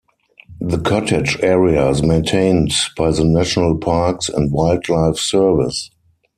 The cottage area is maintained by the National Parks and Wildlife Service.